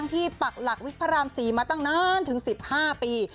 ที่ปักหลักวิภาราม๔มาตั้งนั้นถึง๑๕ปี